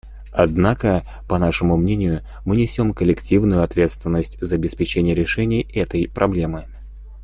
Однако, по нашему мнению, мы несем коллективную ответственность за обеспечение решения этой проблемы.